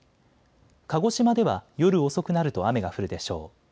鹿児島では夜遅くなると雨が降るでしょう。